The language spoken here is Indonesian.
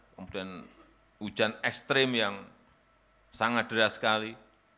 kemudian hujan ekstrim yang sangat deras sekali